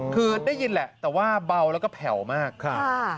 คือได้ยินแหละแต่ว่าเบาแล้วก็แผ่วมากครับ